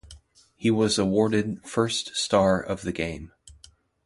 He was awarded first star of the game.